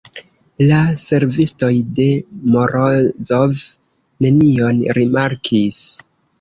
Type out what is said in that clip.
La servistoj de Morozov nenion rimarkis.